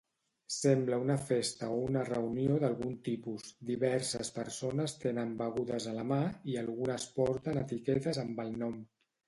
Sembla una festa o una reunió d'algun tipus, diverses persones tenen begudes a la mà i algunes porten etiquetes amb el nom